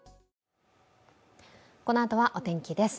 このあとはお天気です。